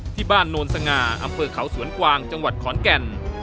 ที่บ้านโนนสงาอำเภอเขาสวนกวางจังหวัดขอลแก่น